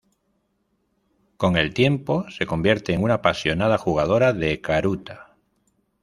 Con el tiempo se convierte en una apasionada jugadora de karuta.